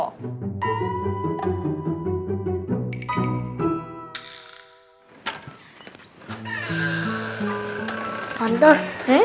tadi kan aku udah belain pok